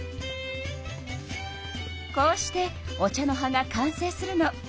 こうしてお茶の葉が完成するの。